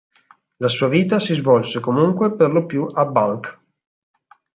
La sua vita si svolse comunque per lo più a Balkh.